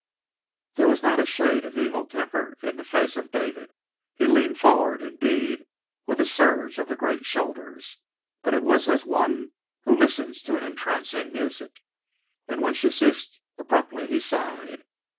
There was not a shade of evil temper in the face of David. He leaned forward, indeed, with a surge of the great shoulders, but it was as one who listens to an entrancing music. And when she ceased, abruptly, he sighed.